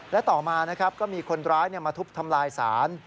และต่อมานะครับก็มีคนร้ายมาทุบทำลายศาล